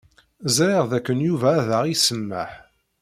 Ẓriɣ dakken Yuba ad aɣ-isemmeḥ.